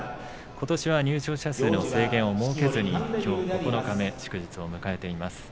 ことしは入場者数の制限を設けずに、きょう九日目、祝日を迎えています。